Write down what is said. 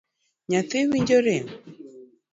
Nyathi winjo rem?